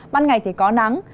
ban ngày thì có nắng